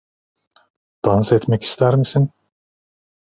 Dans etmek ister misin?